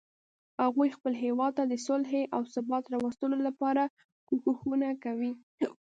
هغوی خپل هیواد ته د صلحې او ثبات راوستلو لپاره کوښښونه کوي